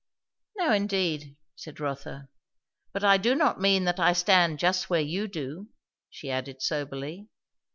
"No, indeed," said Rotha. "But I do not mean that I stand just where you do," she added soberly.